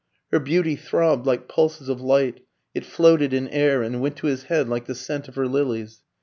Her beauty throbbed like pulses of light, it floated in air and went to his head like the scent of her lilies.